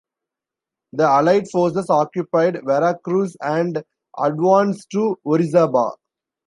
The allied forces occupied Veracruz and advanced to Orizaba.